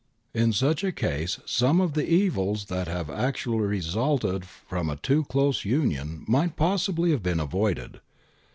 In such a case some of the evils that have actu ally resulted from a too close union might possibly have been avoided.